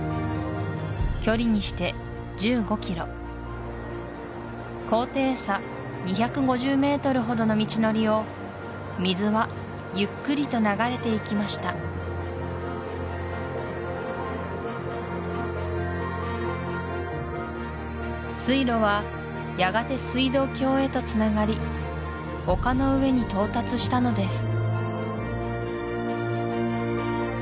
距離にして１５ｋｍ高低差２５０ｍほどの道のりを水はゆっくりと流れていきました水路はやがて水道橋へとつながり丘の上に到達したのです